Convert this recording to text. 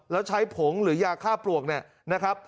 แล้วใช้ผงหรือยาฆ่าปลวกเนี่ยนะครับ